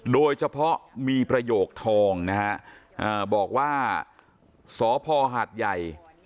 โดยเฉพาะมีประโยคทองนะฮะบอกว่าสพหาดใหญ่